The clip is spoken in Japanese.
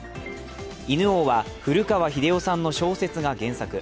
「犬王」は古川日出男さんの小説が原作。